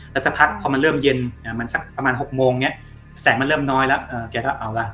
ก็สักพักพอมันเริ่มเย็นมันพระมาณหกโมงเนี่ย